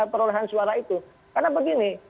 perolehan suara itu karena begini